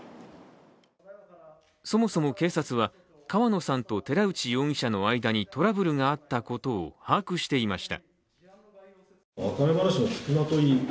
そもそも警察は、川野さんと寺内容疑者の間にトラブルがあったことを把握していました。